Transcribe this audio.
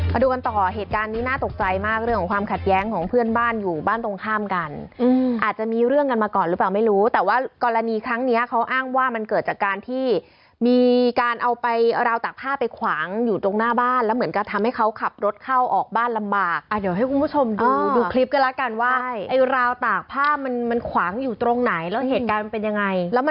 เอาดูกันต่อเหตุการณ์นี้น่าตกใจมากเรื่องของความขัดแย้งของเพื่อนบ้านอยู่บ้านตรงข้ามกันอาจจะมีเรื่องกันมาก่อนหรือเปล่าไม่รู้แต่ว่ากรณีครั้งเนี้ยเขาอ้างว่ามันเกิดจากการที่มีการเอาไปราวตากผ้าไปขวางอยู่ตรงหน้าบ้านแล้วเหมือนกันทำให้เขาขับรถเข้าออกบ้านลำบากอ่าเดี๋ยวให้คุณผู้ชมดูดูคลิปกั